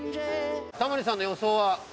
タモリさんの予想は？